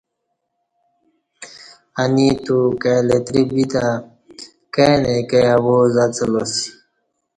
انی اتو کائی لتری بیتہ کائ نئ کائ اواز اڅلاسی